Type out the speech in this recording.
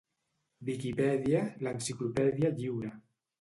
Viquipèdia, l'enciclopèdia lliure.